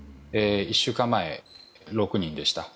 １週間前、６人でした。